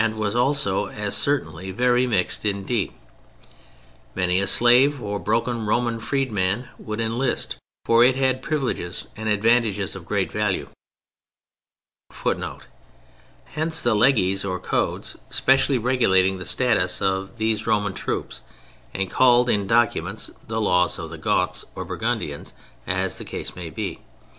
But that small military force was also, and as certainly, very mixed indeed; many a slave or broken Roman freedman would enlist, for it had privileges and advantages of great value; [Footnote: Hence the "leges" or codes specially regulating the status of these Roman troops and called in documents the laws of the "Goths" or "Burgundians," as the case may he.